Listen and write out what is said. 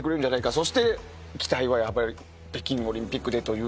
そして期待は北京オリンピックでという。